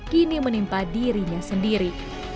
kini menimpa dirinya sendiri